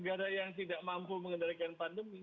negara yang tidak mampu mengendalikan pandemi